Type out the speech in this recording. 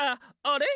あれ？